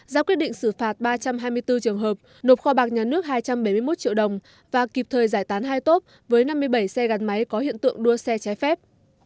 ra quyết định xử phạt ba trăm hai mươi bốn trường hợp nộp kho bạc nhà nước hai trăm bảy mươi một triệu đồng và kịp thời giải tán hai tốp với năm mươi bảy xe gắn máy có hiện tượng đua xe trái phép